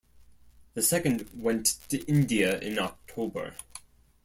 The second went to India in October.